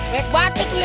ngek banget itu ya